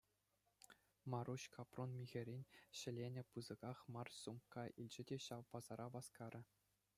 Маруҫ капрун михӗрен ҫӗленӗ пысӑках мар сумка илчӗ те ҫав пасара васкарӗ.